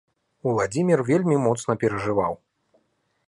Уладзімір вельмі моцна перажываў.